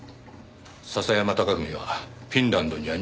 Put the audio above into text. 笹山隆文はフィンランドには入国していません。